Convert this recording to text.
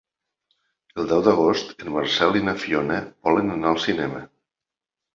El deu d'agost en Marcel i na Fiona volen anar al cinema.